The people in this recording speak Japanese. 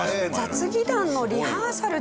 雑技団のリハーサルです。